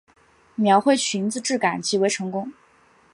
描绘裙子质感极为成功